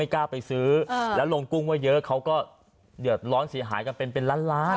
กล้าไปซื้อแล้วลงกุ้งว่าเยอะเขาก็เดือดร้อนเสียหายกันเป็นล้านล้าน